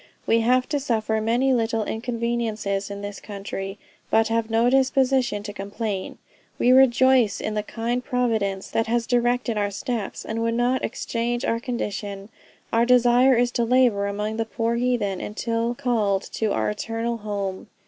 We have to suffer many little inconveniences in this country, but have no disposition to complain. We rejoice in the kind providence that has directed our steps, and would not exchange our condition. Our desire is to labor among the poor heathen until called to our eternal home."